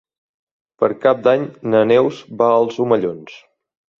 Per Cap d'Any na Neus va als Omellons.